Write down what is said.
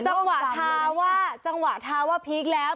จังหวะทาว่าจังหวะทาว่าพีคแล้ว